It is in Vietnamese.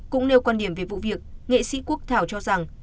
cũng nêu quan điểm về vụ việc nghệ sĩ quốc thảo cho rằng